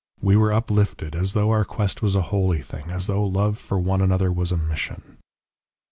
We were uplifted, as though our quest was a holy thing, as though love for one another was a mission....